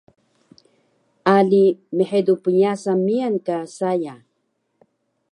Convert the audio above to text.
Ali mhedu pnyasan miyan ka saya